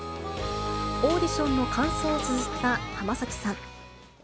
オーディションの感想をつづった浜崎さん。